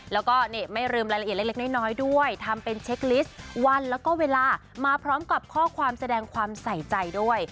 แล้วก็ไม่ลืมรายละเอียดเล็กน้อยด้วยทำเป็นเช็คลิสต์วันแล้วก็เวลามาพร้อมกับข้อความแสดงความใส่ใจด้วย